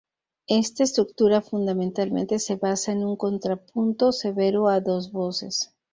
Esta estructura fundamental se basa es un contrapunto severo a dos voces.